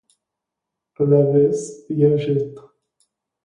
Lewis je Žid.